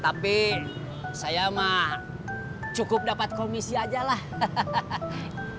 tapi saya mah cukup dapat komisi aja lah